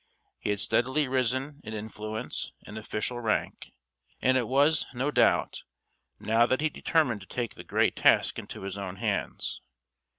He had steadily risen in influence and official rank; and it was, no doubt, now that he determined to take the great task into his own hands.